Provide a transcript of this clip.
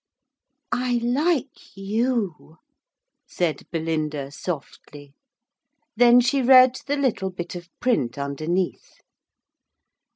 'I like you,' said Belinda softly. Then she read the little bit of print underneath.